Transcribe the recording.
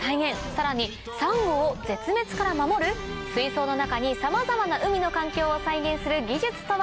さらにサンゴを絶滅から守る⁉水槽の中にさまざまな海の環境を再現する技術とは？